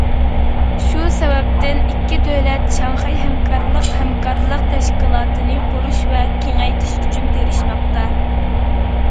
شۇ سەۋەبتىن ئىككى دۆلەت شاڭخەي ھەمكارلىق ھەمكارلىق تەشكىلاتىنى قۇرۇش ۋە كېڭەيتىش ئۈچۈن تىرىشماقتا.